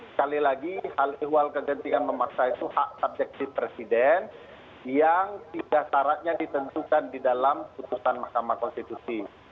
sekali lagi hal ihwal kegentingan memaksa itu hak subjektif presiden yang tiga syaratnya ditentukan di dalam putusan mahkamah konstitusi